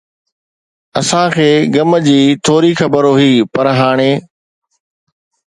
اسان کي غم جي ٿوري خبر هئي، پر هاڻي